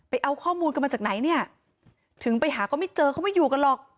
เอาข้อมูลกันมาจากไหนเนี่ยถึงไปหาก็ไม่เจอเขาไม่อยู่กันหรอก